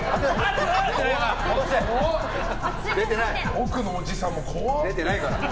奥のおじさんも怖っ。